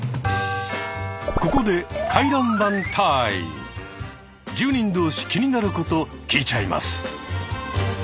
ここで住人同士気になること聞いちゃいます。